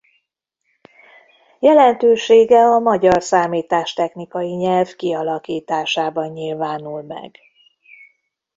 Jelentősége a magyar számítástechnikai nyelv kialakításában nyilvánul meg.